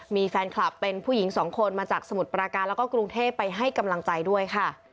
มีแฟนคลับเป็นผู้หญิงสองคนมาจากสมุทรปราการแล้วก็กรุงเทพไปให้กำลังใจด้วยค่ะ